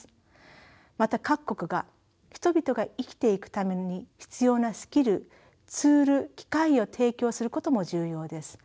また各国が人々が生きていくために必要なスキルツール機会を提供することも重要です。